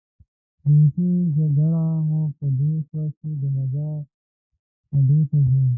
وروستۍ پرېکړه مو په دې شوه چې د مزار اډې ته ځو.